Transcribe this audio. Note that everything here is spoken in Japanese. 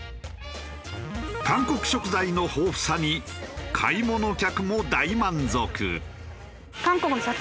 韓国食材の豊富さに買い物客も大満足。